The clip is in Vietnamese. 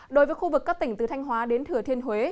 đối với khu vực các tỉnh từ thanh hóa đến thừa thiên huế